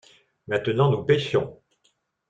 Maintenant nous pêchons.